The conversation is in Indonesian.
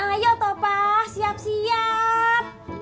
ayo topah siap siap